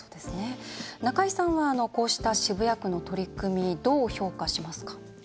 中井さんはこうした渋谷区の取り組みどう評価しますか？